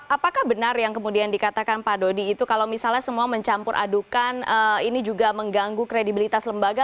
apakah benar yang kemudian dikatakan pak dodi itu kalau misalnya semua mencampur adukan ini juga mengganggu kredibilitas lembaga